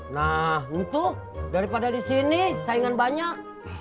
nah itu daripada disini saingan banyak